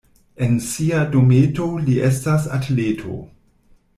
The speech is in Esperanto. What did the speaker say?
En sia dometo li estas atleto.